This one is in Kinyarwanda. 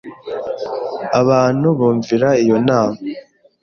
Abantu bumvira iyo nama